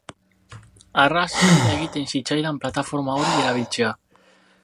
Arras zaila egiten zitzaidan plataforma hori erabiltzea.